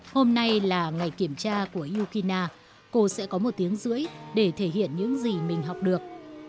hôm nay là ngày kiểm tra của yukina cô sẽ có một tiếng rưỡi để thể hiện những gì mình học được